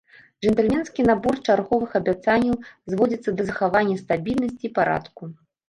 Джэнтльменскі набор чарговых абяцанняў зводзіцца да захавання стабільнасці і парадку.